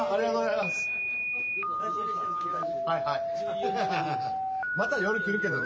また夜来るけどね。